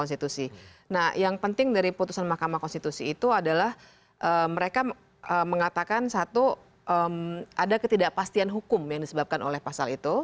nah yang penting dari putusan mahkamah konstitusi itu adalah mereka mengatakan satu ada ketidakpastian hukum yang disebabkan oleh pasal itu